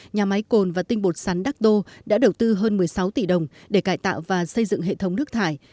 nhà máy cồn và tinh bột sắn đắc đô đã đầu tư hơn một mươi sáu tỷ đồng để cải tạo và xây dựng hệ thống nước thải